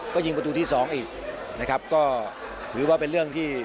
ก็ยิงประตูที่สองอีกนะครับก็ถือว่าเป็นเรื่องที่